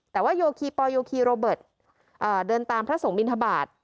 แต่ว่าโยคีปอลโยคีโรเบิร์ตเดินตามพระสงฆ์บินทบาท